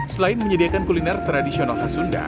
selain menyediakan kuliner tradisional khas sunda